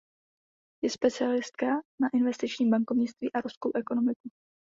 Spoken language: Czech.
Je specialistka na investiční bankovnictví a ruskou ekonomiku.